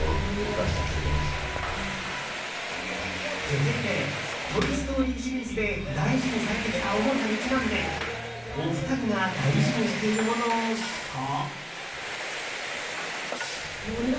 続いて「トイ・ストーリー」シリーズで大事にされてきたおもちゃにちなんでお二人が大事にしているものを聞くと。